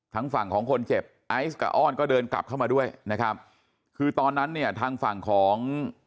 ทางฝั่งของคนเจ็บไอซ์กับอ้อนก็เดินกลับเข้ามาด้วยนะครับคือตอนนั้นเนี่ยทางฝั่งของ